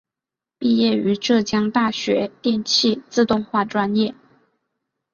毕业于浙江大学电气自动化专业。